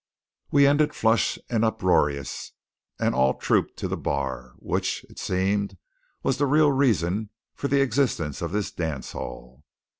We ended flushed and uproarious; and all trooped to the bar, which, it seemed, was the real reason for the existence of this dance hall.